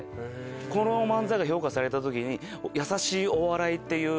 この漫才が評価された時に「優しいお笑い」っていう。